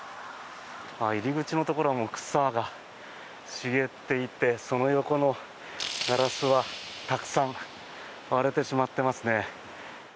入り口のところも草が茂っていてその横のガラスはたくさん割れてしまっていますね。